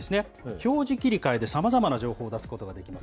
表示切替でさまざまな情報を出すことができます。